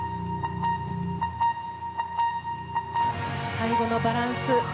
最後のバランス。